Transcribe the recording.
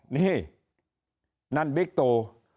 นี่นั่นบิ๊กตู